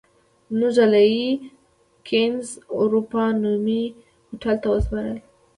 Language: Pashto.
زموږ ډله یې کېنز اروپا نومي هوټل ته وسپارله.